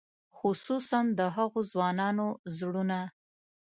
خصوصاً د هغو ځوانانو زړونه.